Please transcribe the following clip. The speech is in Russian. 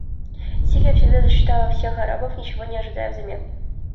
Сирия всегда защищала всех арабов, ничего не ожидая взамен.